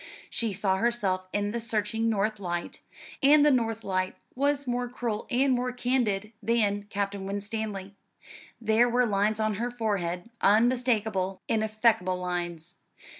She saw herself in the searching north light; and the north light was more cruel and more candid than Captain Winstanley. There were lines on her forehead unmistakable, ineffaceable lines.